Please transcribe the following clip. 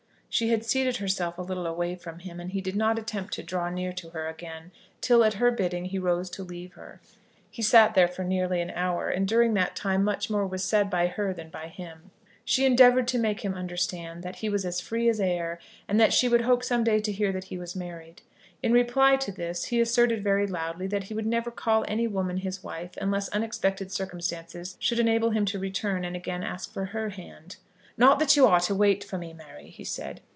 She had seated herself a little away from him, and he did not attempt to draw near to her again till at her bidding he rose to leave her. He sat there for nearly an hour, and during that time much more was said by her than by him. She endeavoured to make him understand that he was as free as air, and that she would hope some day to hear that he was married. In reply to this, he asserted very loudly that he would never call any woman his wife, unless unexpected circumstances should enable him to return and again ask for her hand. "Not that you are to wait for me, Mary," he said.